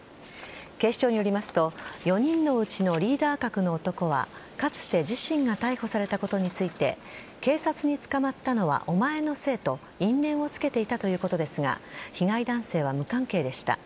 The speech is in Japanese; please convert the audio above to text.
警視庁によりますと４人のうちのリーダー格の男はかつて自身が逮捕されたことについて警察に捕まったのはお前のせいと因縁をつけていたということですが被害男性は無関係でした。